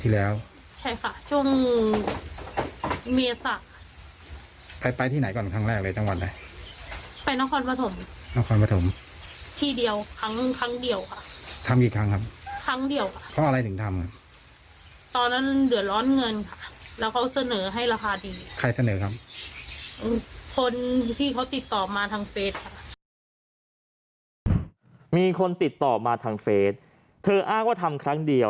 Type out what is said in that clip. แล้วเขาเสนอให้ราคาดี